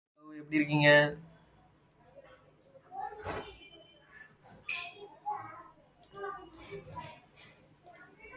It was not accompanied by violence from the demonstrators.